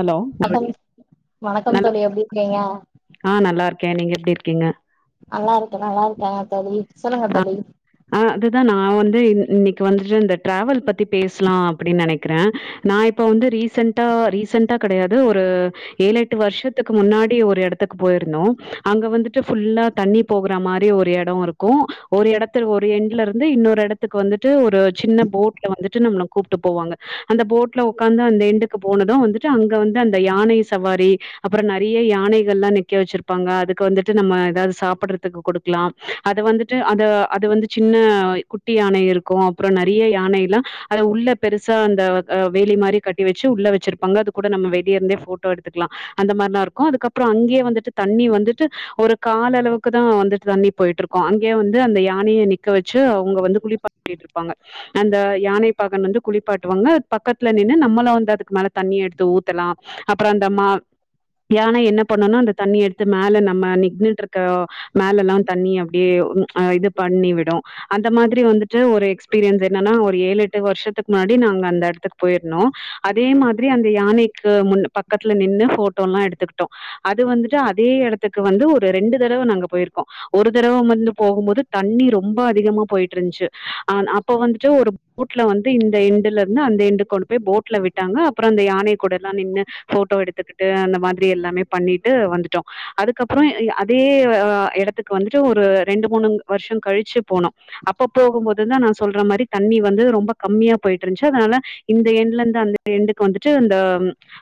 Hello க்கம் தோழி. வணக்கம் நல்லா தோழி எப்டிர்க்கிங்க ஆ நல்லாருக்க நீங்க எப்டி இருக்கீங்க நல்லாருக்க நல்லாருக்க தோழி சொல்லுங்க தோழி அ அதுதா நா வந்து இ இன்னிக்கு வந்துட்டு இந்த ட்ராவல் பத்தி பேஸ்லா அப்டின் நெனைக்குற நா இப்ப வந்து ரீசன்ட்டா ரீசன்ட்டா கெடயாது ஒரு ஏழெட்டு வருஷத்துக்கு முன்னாடி ஒரு எடத்துக்கு போயிருந்தோ அங்க வந்துட்டு ஃபுல்லா தண்ணி போகற மாரி ஒரு எட இருக்கும் ஒரு எடத் த்தர் ஒரு எண்ட்லருந்து இன்னொரு எடத்துக்கு வந்துட்டு ஒரு சின்ன போட்ல வந்துட்டு நம்ள கூப்ட்டு போவாங்க அந்த போட்ல உக்காந்து அந்த எண்டுக்கு போனது வந்துட்டு அங்க வந்து அந்த யானை சவாரி அப்ற நெறய யானைகள்லா நிக்க வெச்சிருப்பாங்க அதுக்கு வந்துட்டு நம்ம எதாது சாப்பட்றதுக்கு கொடுத் க்லா அத வந்துட்டு அத அது வந்து சின்ன குட்டி யானை இருக்கும் அப்பற நெறைய யானைல்லா அத உள்ள பெருசா அந்த வேலி அ மாரி கட்டி வச்சு உள்ள வச்சிருப்பாங்க அது கூட நம்ம வெளிய இருந்தே போட்டோ எடுத்துக்கலா அந்த மாரிலா இருக்கும் அதுக்கப்றோ அங்யே வந்துட்டு தண்ணி வந்துட்டு ஒரு கால் அளவுக்கு தா வந்துட்டு தண்ணி போய்ட்டுருக்கோ அங்யே வந்து அந்த யானைய நிக்க வெச்சு அவுங்க வந்து குளிப் பாட்டி ட் ருப்பாங்க அந்த யானை பாகன் வந்து குளிப்பாட்டுவாங்க அது பக்கத்துல நின்னு நம்மளு வந்து அதுக்கு மேல தண்ணி எடுத்து ஊத்தலா அப்றொ அந்த மா மத்யானா என்ன பண்னுனா அந்த தண்ணியெடுத்து மேல நம்ம நின்னுட்ருக்க மேலல்லா தண்ணி அப்டியே இது பண்ணி விடு அந்த மாதிரி வந்துட்டு ஒரு எக்ஸ்பீரியன்ஸ் என்னன்னா ஒரு ஏழெட்டு வருஷத்துக்கு முன்னாடி நாங்க அந்த எடத்துக்கு போய்ருந்தோ அதே மாதிரி அந்த யானைக்கு முன் பக்கத்துல நின்னு போட்டோல்லா எடுத்துக்கிட்டோ அது வந்துட்டு அதே எடத்துக்கு வந்து ஒரு ரெண்டு தடவ நாங்க போய்ருக்கோ ஒரு தரவ வந்து போகுபோது தண்ணி ரொம்ப அதிகமா போய்ட்ருந்ச்சு அன் அப்ப வந்ட்டு ஒரு போட்ல வந்து இந்த எண்டுலருந்து அந்த எண்டு கொண்டு போய் போட்ல விட்டாங்க அப்றோ அந்த யான கூடல்லா நின்னு போட்டோ எடுத்துக்கிட்டு அந்த மாதிரி எல்லாமே பண்ணிட்டு வந்துட்டோ அதுக்கப்றோ அதே எடத்துக்கு வந்துட்டு ஒரு ரெண்டு மூணு வருஷோ கழிச்சு போனோ அப்பப்போகு போது தா நா சொல்ற மாரி தண்ணி வந்து ரொம்ப கம்மியா போய்ட்ருந்துச்சு அதனால இந்த எண்ட்லருந்து அந்த எண்டுக்கு வந்துட்டு அந்த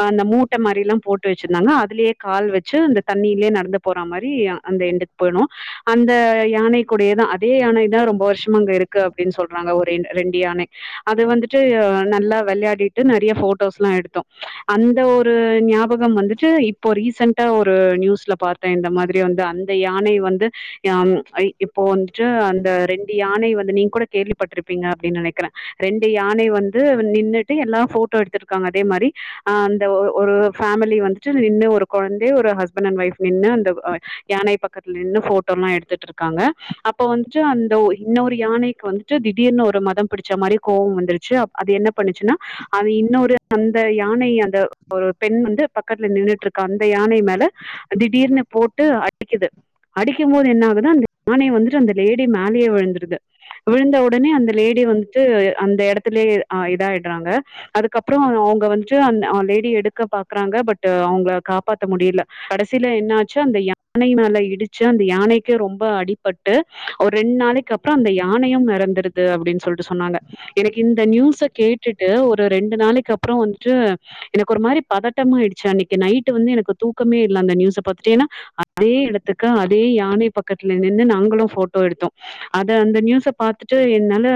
ஆ அந்த மூட்ட மாரில்லா போட்டு வச்ருந்தாங்க அதுலேயே கால் வச்சு அந்த தண்ணிலயே நடந்து போற மாரி அந்த எண்டு போய்ணு அந்த யானை கூடியதா அதே யான தா ரொம்ப வருஷமா அங்கருக்கு அப்டின்னு சொல்றாங்க ஒரு ரெண்டு யான அது வந்துட்டு நல்லா விளையாடிட்டு நெறைய போட்டோஸ்ல்லா எடுத்தோ அந்த ஒரு நியாப யூகம் வந்துட்டு இப்போ ரீசெண்டா ஒரு நியூஸ்ல பாத்தேன் இந்த மாதிரி வந்து அந்த யான வந்து யாம் ஐ இப்போ வந்துட்டு அந்த ரெண்டு யான வந்து நீங்க கூட கேள்விப்பட்ருப்பீங்க அப்டினு நெனைக்றே ரெண்டு யானை வந்து நின்னுட்டு எல்லா போட்டோ எடுத்ருக்காங்க அதே மாரி அ அந்த ஒ ஒரு ஃபேமிலி வந்து நின்னு ஒரு கொழந்தை ஒரு ஹஸ்பண்ட் அண்ட் ஒய்ஃப் நின்னு அந்த யானை பக்கத்துல நின்னு போட்டோல்லா எடுத்துட்டு இரு காங்க அப்போ வந்துட்டு அந்த இன்னொரு யானைக்கு வந்துட்டு திடீர்னு ஒரு மதம் பிடிச்ச மாரி கோவோ வந்துருச்சு அது என்ன பண்ணுச்சுன்னா அது இன்னோரு அந்த யானை அந்த ஒரு பெண் வந்து பக்கத்துல நின்னுட்ருக்க அந்த யானை மேல திடீர்னு போட்டு அடிக்குது அடிக்கு போது என்ன ஆகுதுனா அந்த யானை வந்துட்டு அந்த லேடி மேலயே விழுந்ருது விழுந்த ஒடனே அந்த லேடி வந்துட்டு அந்த எடத்துலயே அ இதாய்டுறாங்க அதுக்கப்றோ அவுங்க வந்துட்டு அ லேடி எடுக்க பாக்றாங்க பட் அவங்கள காப்பாத்த முடியில கடைசில என்ன ஆச்சு அந்த யானை மேல இடிச்சு அந்த யானைக்கு ரொம் ரொம்ப அடிபட்டு ஒரு ரெண் நாளைக்கப்றோ அந்த யானையு எறந்துருது அப்டின்னு சொல்லிட்டு சொன்னாங்க எனக்கு இந்த நியூஸ கேட்டுட்டு ஒரு ரெண்டு நாளைக்கப்றோ வந்ட்டு எனக்கொரு மாரி பதட்டமாயிடுச்சு அன்னைக்கு நைட்டு வந்து எனக்கு தூக்கமே இல்ல அந்த நியூஸ பாத்துட்டு ஏனா அதே எடத்துக்கு அதே யானை பாக் பக்கத்ல நின்னு நாங்களு போட்டோ எடுத்தோ அத அந்த நியூஸ பாத்துட்டு என்னால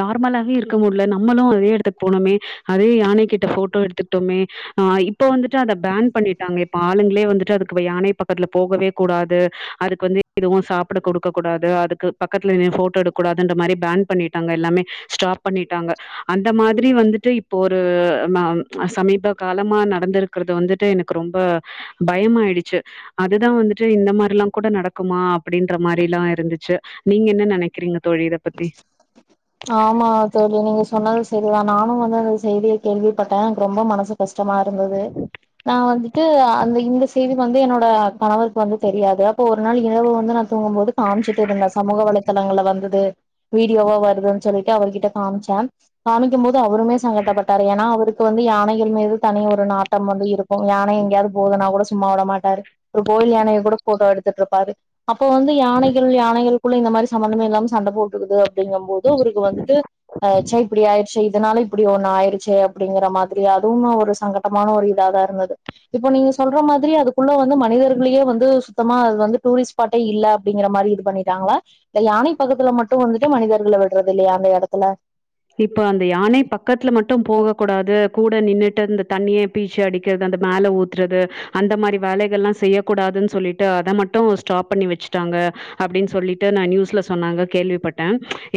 நார்மலாவே இருக்க முட்ல நம்மளு அதே எடத்துக்கு போனோமே அதே யானை கிட்ட போட்டோ எடுத்துக்கிட்டோமே ஆ இப்ப வந்துட்டு அத பேன் பண்ணிட்டாங்க இப்ப ஆளுங்ளே வந்துட்டு அதுக்கு யானை பக்கத்துல போகவே கூடாது அதுக்கு வந்து எதுவு சாப்ட கொடுக்க கூடாது அதுக்கு பக்கத்துல நின் போட்டோ எடுக்கூடாதுன்ற மாரி பேன் பண்ணிட்டாங்க எல்லாமே ஸ்டாப் பண்ணிட்டாங்க அந்த மாதிரி வந்துட்டு இப்போ ஒரு ம சமீப காலமா நடந்திருக்றது வந்துட்டு எனக்கு ரொம்ப பயமாயிடுச்சு அதுதா வந்துட்டு இந்த மார்ல்லா கூட நடக்குமா அப்டின்ற மாரில்லா இருந்துச்சு நீங்க என்ன நெனைக்றீங்க தோழி இத பத்தி ஆமா தோழி நீங்க சொன்னது சரிதா நானு வந்து அந்த செய்திய கேள்வி பட்டே எனக்கு ரொம்ப மனசுக் கஷ்டமாருந்தது நா வந்துட்டு அந்த இந்த சைய்டு வந்து என்னோட கணவருக்கு வந்து தெரியாது அப்ப ஒரு நாள் இரவு வந்து நா தூங்கும்போது காமிச்சுட்டு இருந்தே சமூக வளை தளங்கள்ல வந்தது வீடியோவா வருதுன் சொல்லிட்டு அவர்கிட்ட காமிச்சே காமிக்கு போது அவருமே சங்கட்டப்பட்டாரு ஏன்னா அவருக்கு வந்து யானைகள் மீது தனி ஒரு நாட்டம் வந்து இருக் கு யானை எங்யாது போதுனா கூட சும்மா விட மாட்டாரு ஒரு கோவில் யானைய கூட போட்டோ எடுத்துட்ருப்பாரு அப்போ வந்து யானைகள் யானைகளுக்குள்ள இந்த மாரி சம்மந்தம்மேல்லாம சண்ட போட் இருக்குது அப்படிங்கும்போது அவருக்கு வந்துட்டு ஆச்சே இப்படி ஆயிடுச்சே இதனால இப்படி ஒண்ணு ஆயிடுச்சே அப்டிங்கற மாதிரி அதுவுமு ஒரு சங்க மட்டமான ஒரு இதாதா இருந்தது இப்ப நீங்க சொல்ற மாதிரி அதுக்குள்ள வந்து மனிதர்களயே வந்து சுத்தமா அது வந்து டூரிஸ்ட் பாட்டே இல்ல அப்படிங்கிற மாரி இது பண்ணிட்டாங்களா இந்த யானை பக்கத்துல மட் டு வந்துட்டு மனிதர்கள விடுறது இல்லையா அந்த எடத்துல இப்ப அந்த யானை பக்கத்துல மட்டு போக கூடாது கூட நின்னுட்டு இந்த தண்ணியே பீச்சி அடிக்கிறது அந்த மேல ஊத்துறது அந்த மாரி வேலைகள் எல்லா செய்யக்கூடாதுனு சொல்லிட்டு அத மட்டு ஸ்டாப் பண்ணி வச்சுட்டாங்க அப்டின்னு சொல்லிட்டு நா நியூஸ்ல சொன்னாங்க கேள்விப்பட்ட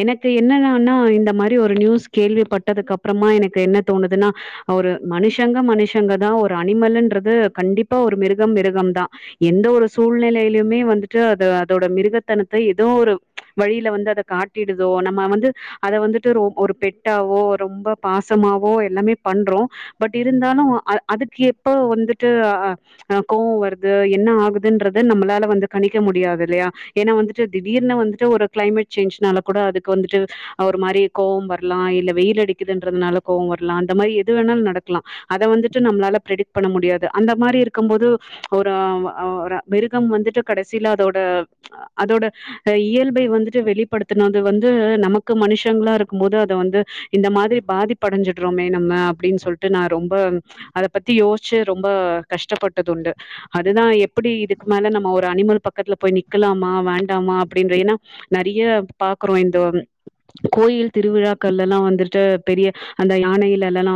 எனக்கு என்னான்னா இந்த மா அப்டி ஒரு நியூஸ் கேள்விப்பட்டதுக்கு அப்புறமா எனக்கு என்ன தோணுதுன்னா ஒரு மனுஷங்க மனுஷங்கதா ஒரு அனிமல்ன்றது கண்டிப்பா ஒரு மிருகம் மிருகம்தா எந்த ஒரு சூழ்நிலையிலயுமே வந்துட்டு அது அதோட மிருகத்தனத்தை ஏதோ ஒரு வழியில வந்து அதை காட் ட்டிடுதோ நம்ம வந்து அத வந்து ட்டு ஒரு பெட்டாவோ ரொம்ப பாசமாவோ எல்லாமே பண்றோ பட் இருந்தாலு அ அதுக்கு எப்ப வந்துட்டு அ அ கோவம் வருது என்ன ஆகுதுன்றது நம்மளால வந்து கணிக்க முடியாது இல்லயா ஏன்னா வந்துட்டு திடீர்னு வந்துட்டு ஒரு கிளைமேட் சேஞ்ச்னால கூட அதுக்கு வந்துட்டு அ ஒரு மாரி கோவம் வரலா இல்ல வெயில் அடிக்குதுன்றதுனால கோவம் வரலா அந்த மாரி எது வேணாலு நடக்கலா அத வந்துட்டு நம்மளால ப்ரெடிக்ட் பண்ண முடியாது அந்த மாரி இருக்கு போது ஒரு அ ஒரு மிருகம் வந்துட்டு கடைசியில அதோட அ அதோட இயல்பை வந்துட்டு வெளிப்படுத்தினது வந்து நமக்கு மனுஷங்களா இருப் ருக்கும்போது அதை வந்து இந்த மாதிரி பாதிப்படைஞ்சிட்றோமே நம்ம அப்டின்னு சொல்ட்டு நா ரொம்ப அத பத்தி யோசிச்சு ரொம்ப கஷ்டப்பட்டது உண்டு அதுதா எப்டி இதுக்கு மேல நம்ம ஒரு அனிமல் பக்கத்துல போய் நிக்கலாமா வேண்டாமா அப்டின்ற ஏன்னா நெறைய பாக்குறோ இந்த கோயில் திருவிழாக்கள்ல எல்லா வந்துட்டு பெரிய அந்த யானையிலல்லா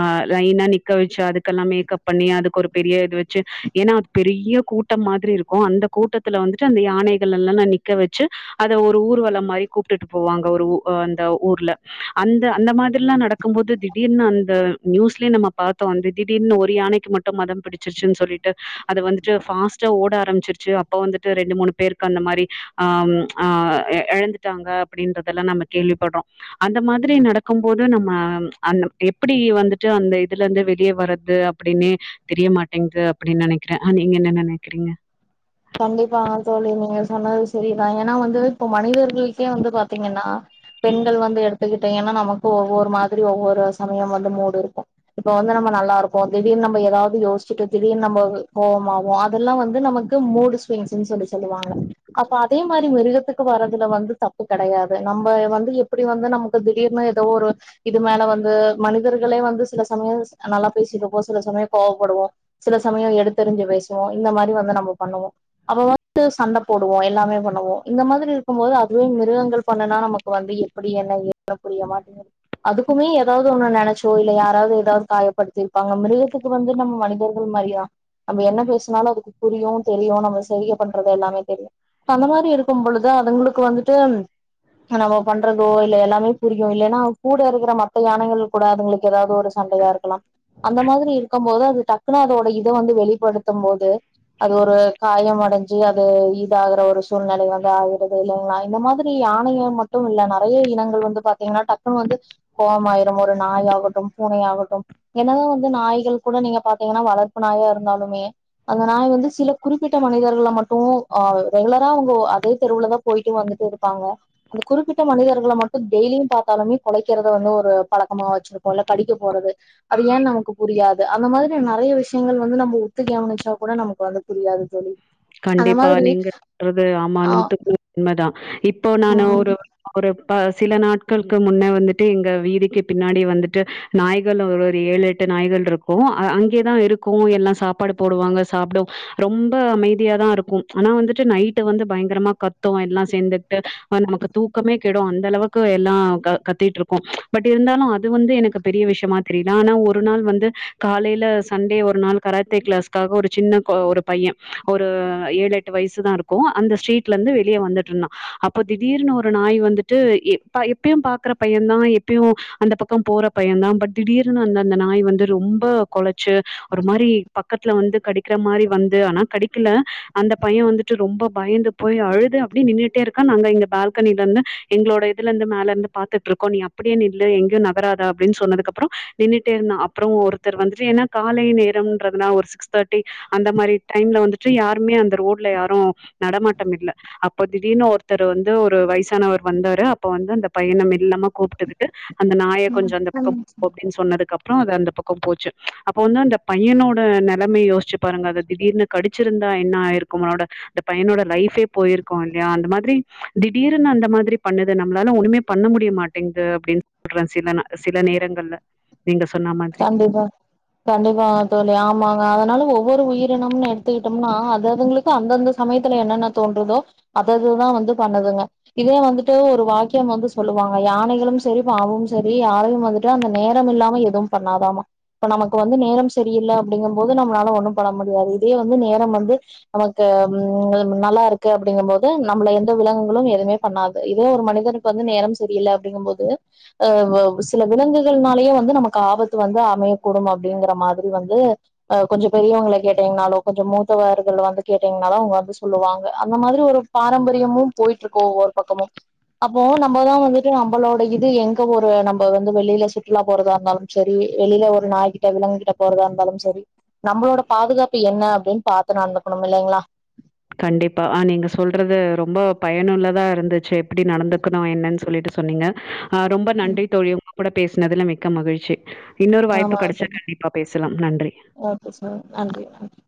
அ லைன்னா நிக்க வச்சு அதுக்கெல்லா மேக்கப் பண்ணி அதுக்கு ஒரு பெரிய இது வச்சு ஏன்னா அது பெரிய கூட்டம் மாதிரி இருக்கு அந்த கூட்டத்துல வந்துட்டு அந்த யானைகளெல்லா நிக்க வச்சு அத ஒரு ஊர்வலம் மாரி கூப்பிட்டுட்டு போவாங்க ஒரு உ அந்த ஊர்ல அந்த அந்த மாதிரில்லா நடக்கும்போது திடீர்னு அந்த நியூஸ்லயே நம்ம பாத்தோ வந்து திடீர்னு ஒரு யானைக்கு மட்டும் மதம் பிடிச்சிருச்சுனு சொல்லிட்டு அது வந்துட்டு ஃபாஸ்டா ஓட ஆரம்பச்சிருச்சு அப்போ வந்துட்டு ரெண்டு மூணு பேருக்கு அந்த மாரி ஆ ஆ எழந்துட்டாங்க அப்டின்றதெல்லா நம்ம கேள்விப்பட்றோ அந்த மாதிரி நடக்கும்போது நம்ம அந்த எப்டி வந்துட்டு அந்த இதுல இருந்து வெளியே வர்றது எப்டின்னே தெரியமாட்டேங்குது அப்டி நெனைக்கிற ஆ நீங்க என்ன நெனைக்கறீங்க கண்டிப்பாங்க தோழி நீங்க சொன்னது சரிதா ஏன்னா வந்து இப்ப மனிதர் ஈசியா வந்து பாத்தீங்கன்னா பெண்கள் வந்து எடுத் டு கிட்ட ஏன்னா நமக்கு ஒவ்வொரு மாதிரி ஒவ்வொரு சமயோ வந்து மூடு இருக்கு இப்ப வந்து நம்ம நல்லா இருக்கோ திடீர்னு நம்ம ஏதாவது யோசிச்சுட்டு திடீர்ன் நம்ம கோவமாவோ அதெல்லா வந்து நமக் வந்து மூடு ஸ்விங்ஸ்ன்னு சொல்லி சொல்லுவாங்க அப்ப அதே மாரி மிருகத்துக்கு வர்றதுல வந்து தப்பு கடையாது நம்ம வந்து எப்டி வந்து நம்ம இப்ப திடீர்னு ஏதோ ஒரு இது மேல வந்து மனிதர்களே வந்து சில சமயம் நல்லா பேசிட்டு இருப்போ சில சமயோ கோவப்படுவோ சில சமயோ எடுத்தெரிஞ்சு பேசுவோ இந்த மாரி வந்து நம்ம பண்ணுவோ அப்ப வந்து சண்ட போடுவோ எல்லாமே பண்ணுவோ இந்த மாதிரி இருக்கும்போது அதுவே மிருகங்கள் பண்ணனா நமக் இப்ப வந்து எப்படி என்ன ஏ சொன்னா புரிய மாட்டேங்குது அதுக்குமே ஏதாவது ஒன்ன நெனைச்சோ இல்ல யாராவது ஏதாவது காயப்படுத்தி பாங்க மிருகத்துக்கு வந்து நம்ம மனிதர்கள் மாரியா நம்ம என்ன பேசனாலு அதுக்கு புரியு தெரியு நம்ம செய்க பண்றது எல்லாமே தெரியு அந்த மாரி இருக்கும்பொழுது அதுங்களுக்கு வந்துட்டு நம்ம பண்றதோ இல்ல எல்லாமே புரியு இல்லேன்னா கூட இருக்கிற மத்த யானைகள் கூட அதுங்களுக்கு ஏதாது ஒரு சண்டையா இருக்கலாம் அந்த மாதிரி இருக்கும் போது அது டக்குன்னு அதோட இத வந்து வெளிப்படுத்தும் போது அது ஒரு காயம் அடைஞ்சு அது இதாகிற வரைக்கும் வந்து ஆகிறது இல்லைங்களா இந்த மாதிரி யானையை ம மட்டும் இல்ல நிறைய இனங்கள் வந்து பாத்தீங்கன்னா டக்குன்னு வந்து கோவம்மாயிரும் ஒரு நாய் ஆகட்டும் பூனயா ஆகட்டும் என்னதான் வந்து நாய்கள் கூட நீங்க பாத்தீங்கன்னா வளர்ப்பு நாயா இருந்தாலுமே அந்த நாய் வந்து சில குறிப்பிட்ட மனிதர்கள மட்டும் ரெகுலரா அவங்க அதே தெருவுலதான் போயிட்டு வந்துட்டு இருப்பாங்க அந்த குறிப்பிட்ட மனிதர்களை மட்டும் டெய்லியும் பாத்தாலுமே கொலைக்கிறத வந்து ஒரு பழக்கமா வச்சிருக்கும் இல்ல கடிக்க போறது அது ஏன்னு நமக்கு புரியாது அந்த மாதிரி நிறைய விஷயங்கள் வந்து நம்ம ஒத்து கவனிச்சா கூட நமக்கு வந்து புரியாது தோழி அந்த கண்டிப்பா மாதிரி நீங்க சொல்றது ஆமா ஆ நூத்துக்கு நூரு உன்மைதான் இப்போ நானு ஒரு ம் ஒரு ப சில நாட்களுக்கு முன்னே வந்துட்டு எங்க வீடுக்கு பின்னாடி வந்துட்டு நாய்கள் ஒரு ஒரு ஏழு எட்டு நாய்கள் இருக்கும் அங்கே தான் இருக்கும் எல்லாம் சாப்பாடு போடுவாங்க சாப்பிடு ரொம்ப அமைதி அப்டியே தான் இருக்கும் ஆனா வந்துட்டு நைட்டு வந்து பயங்கரமா கத்தும் எல்லாம் சேந்துட்டு நமக்கு தூக்கமே கெடும் அந்த அளவுக்கு எல்லாம் க கத்திட்டு இருக்கும் பட் இருந்தாலும் அது வந்து எனக்கு பெரிய விஷயமா தெரில ஆனா ஒரு நாள் வந்து காலைல சண்டே ஒரு நாள் கராத்தே கிளாஸ்காக ஒரு சின்ன கொ ஒரு பைய ஒரு ஏழு எட்டு வயசு தா இருக்கும் அந்த ஸ்ட்ரீட்ல இருந்து வெளிய வந்துட்டு இருந்தா அப்போ திடீர்னு ஒரு நாய் வந்துட்டு எப்பயும் பாக்குற பைய தா எப்பயு அந்த பக்கொ போற பையந்தா பட் திடீர்னு அந்த அந்த நாய் வந்து ரொம்ப கொலச்சு ஒரு மாரி பக்கத்துல வந்து கடிக்கிற மாரி வந்து ஆனா கடி க்கல அந்த பைய வந்துட்டு ரொம்ப பயந்து போய் அழுது அப்டி நின்னுட்டே இருக்கா நாங்க இந்த பால்கனில நின்னு எங்களோட இதுலந்து மேலருந்து பாத்துட்டுருக்கோ நீ அப்டியே நில்லு எங்கையு நகராதா அப்டின்னு சொன்னதுக்கப்றோ நின்னுட்டே இருந்தா அப்பற ஒருத்தர் வந்துட்டு ஏன்னா காலை நேரம்ன்றதுனா ஒரு சிக்ஸ் தேர்ட்டி அந்த மாரி டைம்ல வந்துட்டு யாருமே அந்த ரோட்ல யாரு நடமாட்டம் இல்ல அப்போ திடீர்னு ஒருத்தர் வந்து ஒரு வயசானவர் வந்தாரு அப்ப வந்து அந்த பையன மெல்லமா கூப்ட்டுக்கிட்டு அந்த நாய கொஞ்ச அந்த பக்க ம் அப்டின் சொன்னதுக்கு அப்பறோ அது அந்த பக்கம் போச்சு அப்ப வந்து அந்த பையனோட நெலமைய யோசிச்சு பாருங்க அது திடீர்னு கடி கடிச்சி இருந்தா என்ன ஆயிருக்கும் உங்களோட இந்த பையனோட லைஃபே போயிருக்கு இல்லையா அந்த மாதிரி திடீர்னு அந்த மாதிரி பண்ணுது நம்மளால ஒன்னுமே பண்ண முடிய மாட்டங்குது அப்டின்னு சொல்ற சில சில நேரங்கள்ல நீங்க சொன்னாம கண்டிப்பா கண்டிப்பா தோழி ஆமாங்க அதனால ஒவ்வொரு உயிரினம்னு எடுத்துக்கிட்டோம்னா அது அதுங்களுக்கு ப்ப அந்தந்த சமயத்துல என்னென்ன தோன்றுதோ அத அதுதா வந்து பண்ணுதுங்க இதே வந்துட்டு ஒரு வாக்கியம் வந்து சொல்லுவாங்க யானைகளு சரி பாவு சரி யாரையு வந்துட்டு க்லா அந்த நேரம் இல்லாம எதுவும் பண்ணாதாமா இப்ப நமக்கு வந்து நேரம் சரியில்ல அப்டிங்கம் போது நம்மளால ஒன்னும் பண்ண முடியாது இதே வந்து நேரம் வந்து நமக்கு உம் நல்லா இருக்கு அப்டிங்கும் போது நம்மள எந்த விலங்குகளு எதுவுமே பண்ணாது இதே ஒரு மனிதர் வந்து நேரம் சரியில்ல அப்டிங்கும்போது சில விலங்குகள்னாலயே வந்து நமக்கு ஆபத்து த்து வந்து அமையக்கூடும் அப்டிங்கற மாதிரி வந்து அ கொஞ்ச பெரியவங்கள கேட்டீங்கன்னாலு கொஞ்ச மூத்தவர்கள் வந்து கேட்டீங்கன்னாலோ அவங்க வந்து சொல்லுவாங்க அந்த மாதிரி ஒரு பாரம்பரியமு போயிட்டுருக்கு ஒவ்வோரு பக்கமு அப்போ நம்மதா வந்துட்டு நம்மளோட இது எங்க ஒரு நம்ம வந்து வெளில சுற்றுலா போறதா இருந்தாலும் சரி வெளில ஒரு நாய்கிட்ட விலங்குகிட்ட போறதா இருந்தாலும் சரி நம்மளோட பாதுகாப்பு என்ன அப்டின்னு பாத்து நடந்துக்கணும் இல்லைங்களா கண்டிப்பா நீங்க சொல்றது ரொம்ப பயனுள்ளதா இருந்துச்சு எப்டி நடந்துக்கணு என்னன்னு சொல்லிட்டு சொன்னீங்க ஆ ரொம்ப நன்றி தோழி உங்க கூட பேசினதுல மிக்க மகிழ்ச்சி இன்னொரு ஆமா வாய்ப்பு கிடைச்சா கண்டிப்பா பேசலா நன்றி [unintelligible]